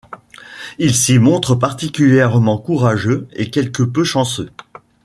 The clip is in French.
Il s'y montre particulièrement courageux et quelque peu chanceux.